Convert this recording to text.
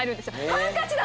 「ハンカチだ！」